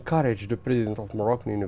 tôi đã thúc đẩy chủ tịch hnu hnu